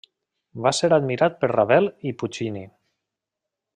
Va ser admirat per Ravel i Puccini.